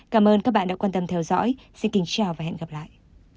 cảm ơn các bạn đã quan tâm theo dõi xin kính chào và hẹn gặp lại